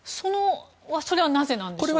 それはなぜなんでしょうか？